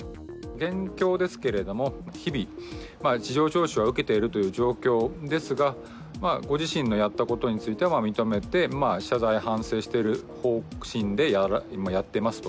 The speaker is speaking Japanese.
現況ですけれども、日々、事情聴取は受けているという状況ですが、ご自身のやったことについては認めて、謝罪反省している方針で、今、やってますと。